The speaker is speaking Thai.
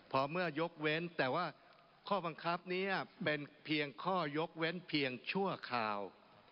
พอเมื่อยกเว้นแต่ว่าข้อบังคับนี้เป็นเพียงข้อยกเว้นเพียงชั่วคราว